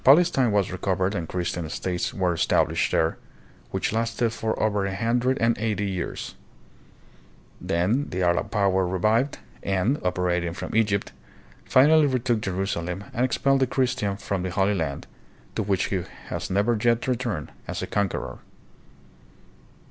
Palestine was recovered and Christian states were established there, which lasted for over a hundred and eighty years. Then the Arab power revived and, operating from Egypt, finally retook Jerusalem and expelled the Christian from the Holy Land, to which he has never yet returned as a con queror.